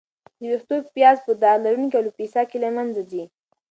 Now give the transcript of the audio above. د وېښتو پیاز په داغ لرونکې الوپیسیا کې له منځه ځي.